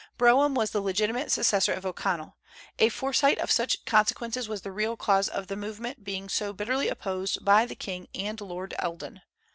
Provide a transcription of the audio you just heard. Brougham was the legitimate successor of O'Connell. A foresight of such consequences was the real cause of the movement being so bitterly opposed by the king and Lord Eldon.